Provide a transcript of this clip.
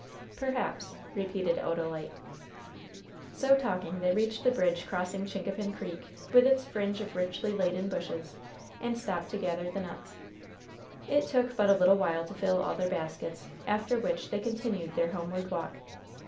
"Perhaps," repeated Odalite. So talking they reached the bridge crossing Chincapin Creek, with its fringe of richly laden bushes, and stopped to gather the nuts. It took but a little while to fill all their baskets, after which they continued their homeward walk.